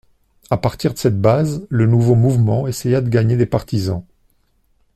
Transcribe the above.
À partir de cette base, le nouveau mouvement essaya de gagner des partisans.